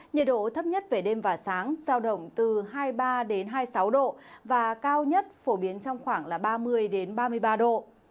nhiệt độ thấp nhất về đêm và sáng giao động từ hai mươi ba hai mươi sáu độ và cao nhất phổ biến trong khoảng ba mươi ba mươi ba độ